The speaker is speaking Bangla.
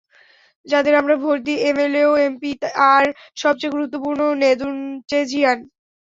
যাদের আমরা ভোট দিই, এমএলএ, এমপি, আর সবচেয়ে গুরুত্বপূর্ণ নেদুনচেজিয়ান।